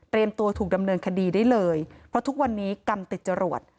ตัวถูกดำเนินคดีได้เลยเพราะทุกวันนี้กรรมติดจรวด